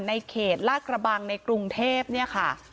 เขตลาดกระบังในกรุงเทพเนี่ยค่ะ